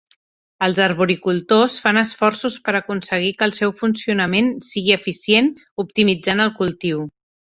Els arboricultors fan esforços per aconseguir que el seu funcionament sigui eficient optimitzant el cultiu.